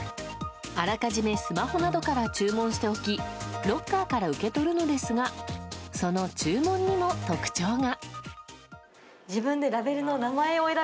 あらかじめスマホなどから注文しておきロッカーから受け取るのですがその注文にも特徴が。